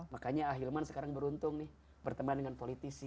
makanya ahilman sekarang beruntung nih berteman dengan politisi